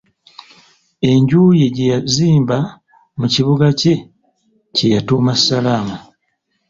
Enju ye gye yazimba mu kibuga kye, kye yatuuma Salaama.